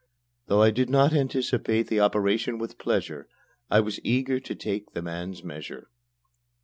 Though I did not anticipate the operation with pleasure, I was eager to take the man's measure.